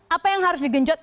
apa yang harus digenjot